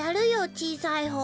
ちいさいほう。